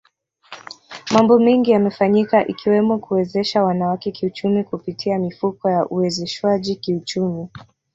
Mambo mengi yamefanyika ikiwemo kuwezesha wanawake kiuchumi kupitia mifuko ya uwezeshwaji kiuchumi